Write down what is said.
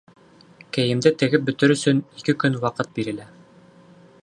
Кейемде тегеп бөтөр өсөн ике көн ваҡыт бирелә.